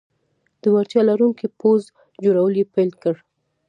د وړتیا لرونکي پوځ جوړول یې پیل کړل.